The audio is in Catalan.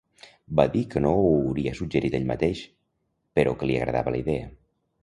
Va dir que no ho hauria suggerit ell mateix, però que li agradava la idea.